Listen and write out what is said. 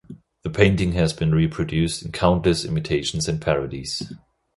The painting has been reproduced in countless imitations and parodies.